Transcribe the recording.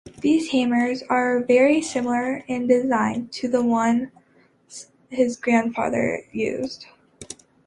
These hammers are very similar in design to the ones his grandfather used.